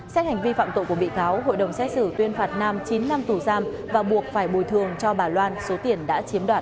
xét hành vi phạm tội của bị cáo hội đồng xét xử tuyên phạt nam chín năm tù giam và buộc phải bồi thường cho bà loan số tiền đã chiếm đoạt